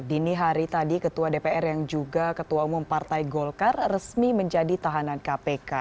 dini hari tadi ketua dpr yang juga ketua umum partai golkar resmi menjadi tahanan kpk